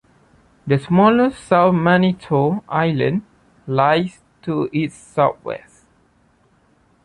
The smaller South Manitou Island lies to its southwest.